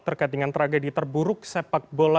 terkait dengan tragedi terburuk sepak bola